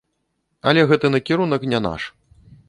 Але гэты накірунак не наш.